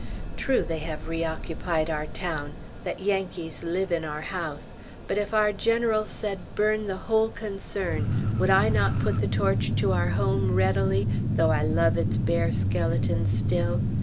True they have reoccupied our town; that Yankees live in our house; but if our generals said burn the whole concern, would I not put the torch to our home readily, though I love its bare skeleton still?